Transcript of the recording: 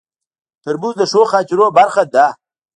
ترموز د ښو خاطرو برخه ده.